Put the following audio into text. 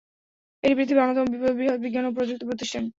এটি পৃথিবীর অন্যতম বৃহৎ বিজ্ঞান ও প্রযুক্তি প্রতিষ্ঠান।